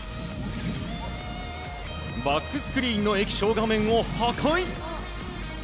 バックスクリーンの液晶画面を破壊。